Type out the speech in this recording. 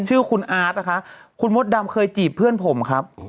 ชื่อคุณอาร์ตนะคะคุณมดดำเคยจีบเพื่อนผมครับ